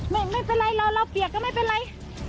ไม่เป็นไรเราเราเปียกก็ไม่เป็นไร